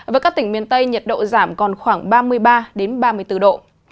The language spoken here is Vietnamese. với các tỉnh miền tây nhiệt độ giảm còn khoảng ba mươi ba ba mươi bốn độ